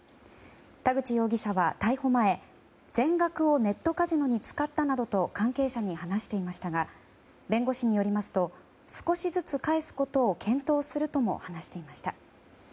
田口容疑者は逮捕前全額をネットカジノに使ったなどと関係者に話していましたが弁護士によりますと少しずつ返すことを検討するとも話していました。